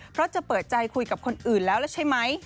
เพราะจะเปิดใจคุยกับคนอื่นแล้วแล้วใช่ไหม